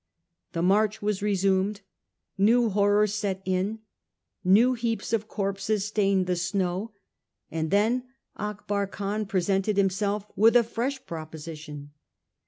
The march was resumed ; new horrors set in ; new heaps of corpses stained the snow; and then Akbar Khan presented himself with a fresh proposition.